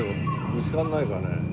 ぶつからないかね？